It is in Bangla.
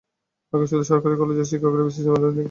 আগে শুধু সরকারি কলেজের শিক্ষকেরাই বিসিএসের মাধ্যমে নিয়োগ পেতেন।